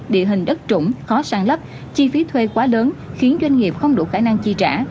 địa hình đất trũng khó sàn lấp chi phí thuê quá lớn khiến doanh nghiệp không đủ khả năng chi trả